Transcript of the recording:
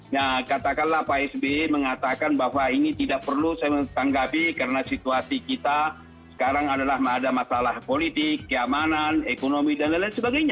nah katakanlah pak sby mengatakan bahwa ini tidak perlu saya tanggapi karena situasi kita sekarang adalah ada masalah politik keamanan ekonomi dan lain lain sebagainya